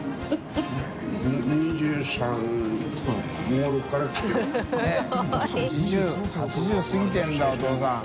もう８０過ぎてるんだお父さん。